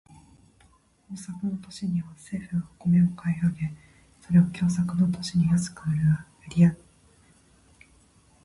豊作の年には政府が米を買い上げ、それを凶作の年に安く売ること。